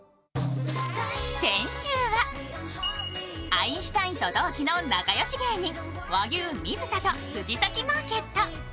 アインシュタインと同期の仲よし芸人和牛・水田と藤崎マーケット。